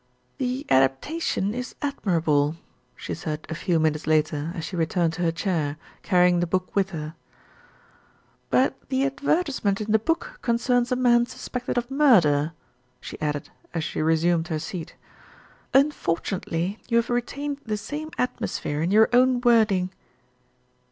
"The adaptation is admirable," she said a few minutes later, as she returned to her chair, carrying the book with. her; "but the advertisement in the book concerns a man suspected of murder," she added as she resumed her seat. "Unfortunately you have re tained the same atmosphere in your own wording."